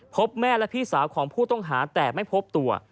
พบแม่และพี่สาวของผู้ต้องหาแต่ไม่พบตัว